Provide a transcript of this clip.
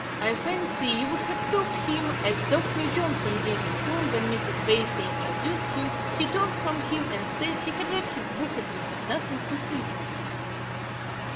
I fancy you would have served him as Dr. Johnson did, to whom when Mrs. Vesey introduced him, he turned from him, and said he had read his book, and would have nothing to say to him.'